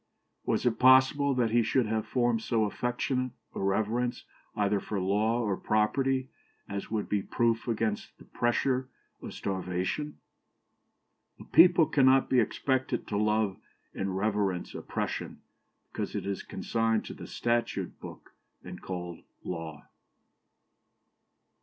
Was it possible that he should have formed so affectionate a reverence either for law or property as would be proof against the pressure of starvation?" "A people cannot be expected to love and reverence oppression because it is consigned to the statute book, and called law."